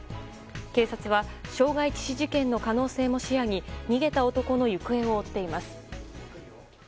警察は傷害致死事件の可能性も視野に逃げた男の行方を追っています。